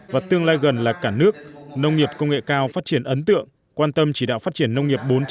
và tương lai gần là cả nước nông nghiệp công nghệ cao phát triển ấn tượng quan tâm chỉ đạo phát triển nông nghiệp bốn du lịch dịch vụ